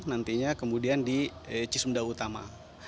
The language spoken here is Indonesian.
nantinya kemudian di cisumdau utama